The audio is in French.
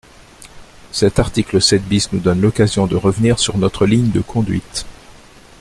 Cet article sept bis nous donne l’occasion de revenir sur notre ligne de conduite.